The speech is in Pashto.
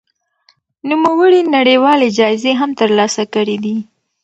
نوموړي نړيوالې جايزې هم ترلاسه کړې دي.